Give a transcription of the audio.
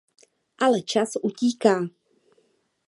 Ale čas utíká.